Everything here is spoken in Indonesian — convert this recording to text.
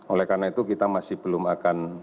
oleh karena itu kita masih belum akan